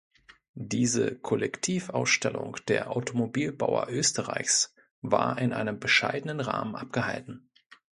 Diese „Collectiv-Ausstellung der Automobilbauer Österreichs“ war in einem bescheidenen Rahmen abgehalten.